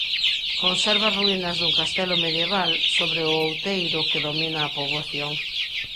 Conserva ruínas dun castelo medieval sobre o outeiro que domina a poboación.